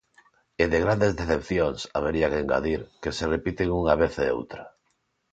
E de grandes decepcións, habería que engadir, que se repiten unha vez e outra.